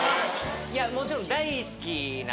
いやもちろん。